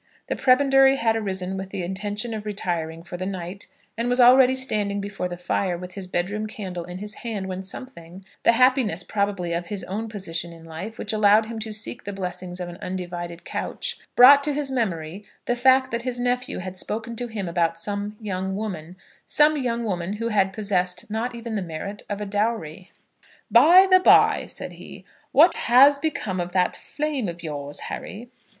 The Prebendary had arisen with the intention of retiring for the night, and was already standing before the fire, with his bedroom candle in his hand, when something, the happiness probably of his own position in life, which allowed him to seek the blessings of an undivided couch, brought to his memory the fact that his nephew had spoken to him about some young woman, some young woman who had possessed not even the merit of a dowry. "By the bye," said he, "what has become of that flame of yours, Harry?"